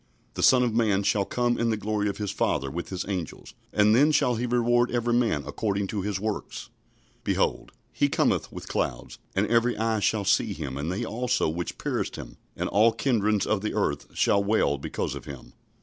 "The Son of man shall come in the glory of his Father with his angels; and then shall he reward every man according to his works." "Behold, he cometh with clouds; and every eye shall see him, and they also which pierced him: and all kindreds of the earth shall wail because of him."